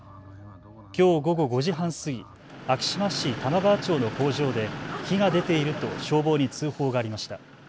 きょう午後５時半過ぎ、昭島市玉川町の工場で火が出ていると消防に通報がありました。